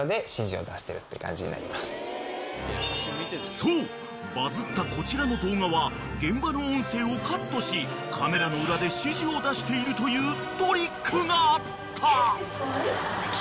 ［そうバズったこちらの動画は現場の音声をカットしカメラの裏で指示を出しているというトリックがあった］